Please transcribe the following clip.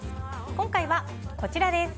今回はこちらです。